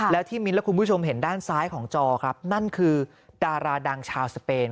แล้วที่มิ้นและคุณผู้ชมเห็นด้านซ้ายของจอครับนั่นคือดาราดังชาวสเปน